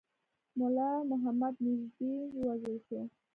مُلا محمد نیژدې ووژل شو.